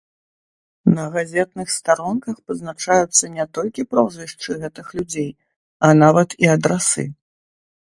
На газетных старонках пазначаюцца не толькі прозвішчы гэтых людзей, а нават і адрасы.